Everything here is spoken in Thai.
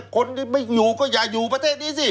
คนที่ไม่อยู่ก็อย่าอยู่ประเทศนี้สิ